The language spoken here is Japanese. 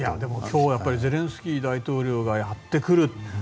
今日はゼレンスキー大統領がやってくる。